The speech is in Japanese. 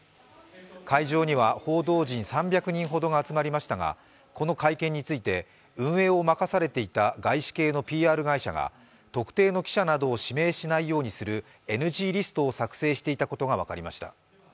会場には報道陣３００人ほどが集まりましたが、この会見について運営を任されていた外資系のＰＲ会社が特定の記者などを指名しないようにするＮＧリストを作成してたことが分かりました。